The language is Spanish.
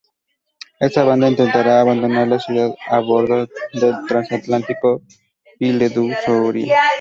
Esta banda intentará abandonar la Ciudad a bordo del transatlántico "Ile du Soria".